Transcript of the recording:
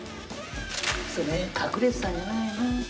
その辺隠れてたんじゃないの。